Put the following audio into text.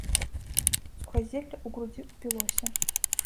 Сухазелле у грудзі ўпілося.